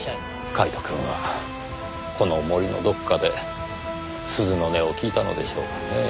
カイトくんはこの森のどこかで鈴の音を聞いたのでしょうかねぇ。